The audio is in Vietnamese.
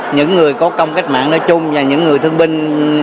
những người có công cách mạng nói chung và những người thương binh